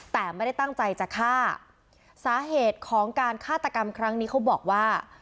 แต่ไม่ได้ตั้งใจจะฆ่าสาเหตุของการฆาตกรรมครั้งนี้เขาบอกว่า